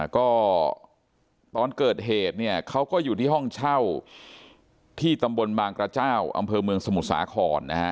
ก็ตอนเกิดเหตุเนี่ยเขาก็อยู่ที่ห้องเช่าที่ตำบลบางกระเจ้าอำเภอเมืองสมุทรสาครนะฮะ